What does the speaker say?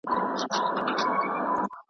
تا آزاد کړم له وهلو له ښکنځلو .